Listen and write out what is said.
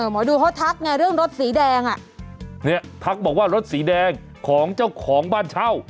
หมอดูเขาทักไงเรื่องรถสีแดงอ่ะเนี่ยทักบอกว่ารถสีแดงของเจ้าของบ้านเช่า